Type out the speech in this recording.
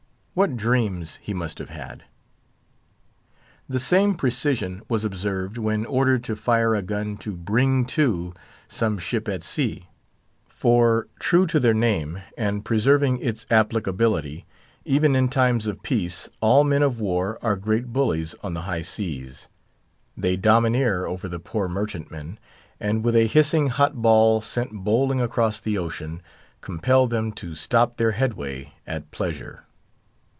What dreams he must have had! The same precision was observed when ordered to fire a gun to bring to some ship at sea; for, true to their name, and preserving its applicability, even in times of peace, all men of war are great bullies on the high seas. They domineer over the poor merchantmen, and with a hissing hot ball sent bowling across the ocean, compel them to stop their headway at pleasure.